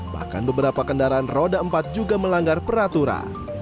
bahkan beberapa kendaraan roda empat juga melanggar peraturan